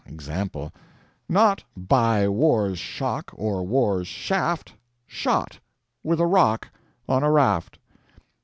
Example: NOT by war's shock, or war's shaft, SHOT, with a rock, on a raft.